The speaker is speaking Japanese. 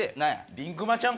りんくまちゃん